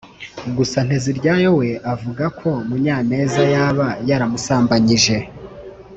Gusa Nteziryayo we avuga ko Munyaneza yaba yaramusambanyije